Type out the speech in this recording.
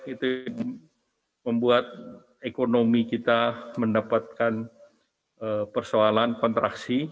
itu membuat ekonomi kita mendapatkan persoalan kontraksi